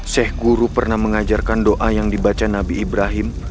sheikh guru pernah mengajarkan doa yang dibaca nabi ibrahim